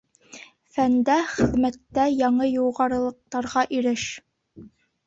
Фәндә, хеҙмәттә яңы юғарылыҡтарға иреш.